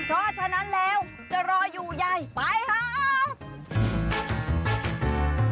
เพราะฉะนั้นแล้วจะรออยู่ยายไปครับ